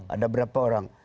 ada berapa orang